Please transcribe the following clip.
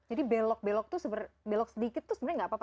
jadi belok belok tuh belok sedikit tuh sebenarnya gak apa apa